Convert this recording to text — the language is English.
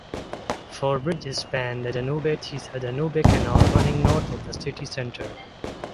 Four bridges span the Danube-Tisa-Danube canal, running north of the city center.